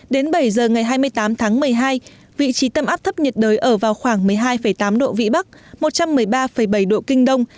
đến bảy giờ ngày hai mươi tám tháng một mươi hai vị trí tâm áp thấp nhiệt đới ở vào khoảng một mươi hai tám độ vĩ bắc một trăm một mươi ba bảy độ kinh đông